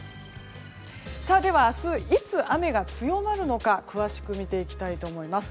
では明日、いつ雨が強まるのか詳しく見ていきたいと思います。